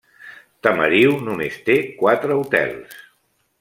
Tamariu només té quatre hotels.